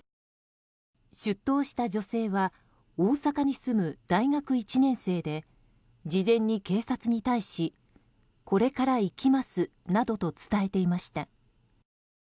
出頭した女性は大阪に住む大学１年生で事前に警察に対しこれから行きますなどと伝えていました。